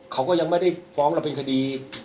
เขาก็ยังไม่ได้ฟ้องเราเป็นคดี